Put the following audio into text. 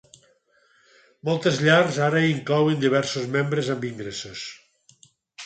Moltes llars ara inclouen diversos membres amb ingressos.